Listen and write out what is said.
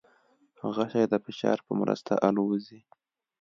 غشی د فشار په مرسته الوزي.